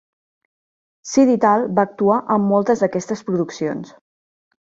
Sidi Tal va actuar en moltes d'aquestes produccions.